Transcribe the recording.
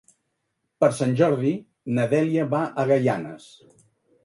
Per Sant Jordi na Dèlia va a Gaianes.